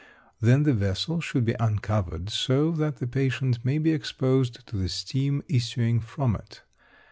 Then the vessel should be uncovered, so that the patient may be exposed to the steam issuing from it.